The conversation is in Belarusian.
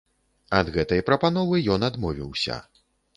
Ад гэтай прапановы ён адмовіўся.